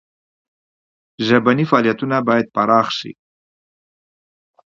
ژبني فعالیتونه باید پراخ سي.